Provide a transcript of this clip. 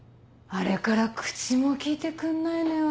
あれから口も利いてくんないのよ